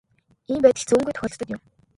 Ийм байдал цөөнгүй тохиолддог юм.